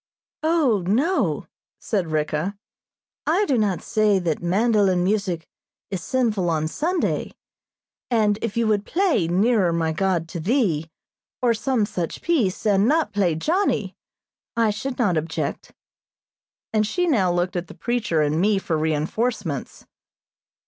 "O, no," said Ricka, "I do not say that mandolin music is sinful on Sunday, and if you would play 'Nearer My God to Thee,' or some such piece, and not play 'Johnny,' I should not object." And she now looked at the preacher and me for reinforcements.